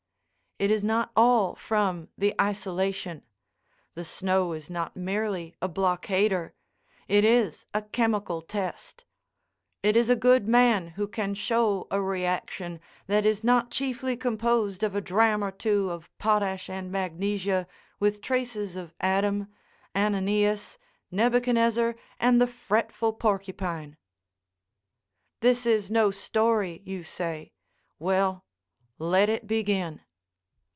It is not all from the isolation; the snow is not merely a blockader; it is a Chemical Test. It is a good man who can show a reaction that is not chiefly composed of a drachm or two of potash and magnesia, with traces of Adam, Ananias, Nebuchadnezzar, and the fretful porcupine. This is no story, you say; well, let it begin.